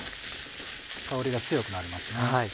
香りが強くなりますね。